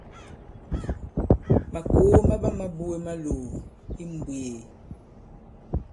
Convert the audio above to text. Màkòo ma ɓama buge malòò i mmbwēē.